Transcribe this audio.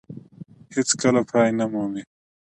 هېڅ کله پای نه مومي.